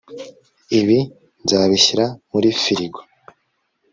ibi nzabishyira muri firigo